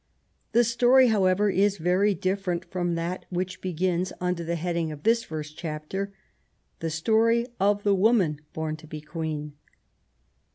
The story, however, is very dif ferent from that which begins under the heading of this first chapter — the story of the Woman born to be Queen.